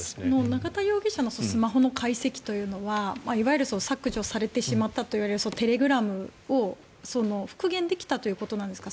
永田容疑者のスマホの解析というのはいわゆる削除されてしまったといわれるテレグラムを復元できたということなんですか？